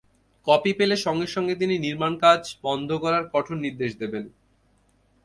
Copy পেলে সঙ্গে সঙ্গে তিনি নির্মাণকাজ বন্ধ করার কঠোর নির্দেশ দেবেন।